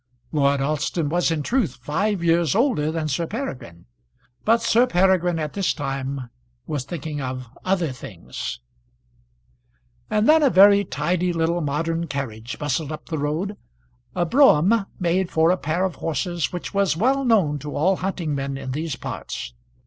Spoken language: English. Lord Alston was in truth five years older than Sir Peregrine, but Sir Peregrine at this time was thinking of other things. [Illustration: Monkton Grange.] And then a very tidy little modern carriage bustled up the road, a brougham made for a pair of horses which was well known to all hunting men in these parts.